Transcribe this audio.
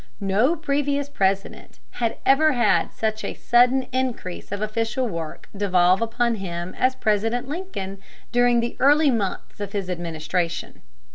No previous President ever had such a sudden increase of official work devolve upon him as President Lincoln during the early months of his administration.